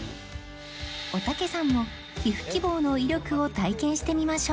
おたけさんも火吹き棒の威力を体験してみましょう